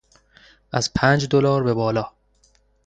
از پنچ دلار به بالا